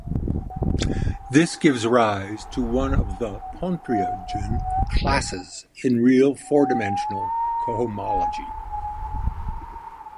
This gives rise to one of the Pontryagin classes, in real four-dimensional cohomology.